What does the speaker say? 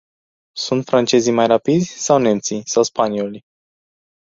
Sunt francezii mai rapizi, sau nemții, sau spaniolii?